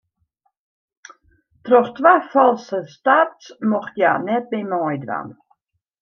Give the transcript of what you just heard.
Troch twa falske starts mocht hja net mear meidwaan.